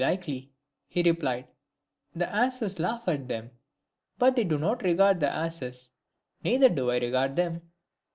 239 likely," he replied, " the asses laugh at them ; but they do not regard the asses, neither do I regard them."